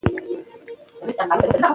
چې شاعري د محبوبې د جمال ستاينه ده